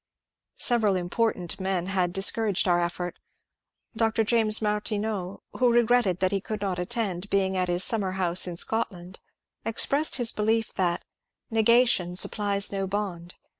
Several important men had discouraged our effort. Dr. James Martineau, who regretted that he could not attend, being at his summer home in Scotland, expressed his belief that " Negation supplies no bond.